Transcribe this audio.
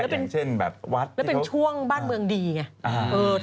แล้วเป็นเช่นแบบวัดแล้วเป็นช่วงบ้านเมืองดีไง